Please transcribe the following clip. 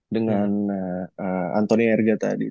dengan antonia erga tadi